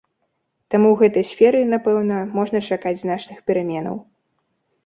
Таму ў гэтай сферы, напэўна, можна чакаць значных пераменаў.